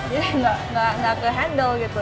jadi nggak ke handle gitu